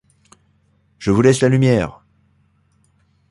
Je vous laisse la lumière.